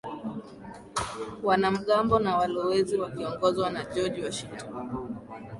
wanamgambo ya walowezi wakioongozwa na George Washington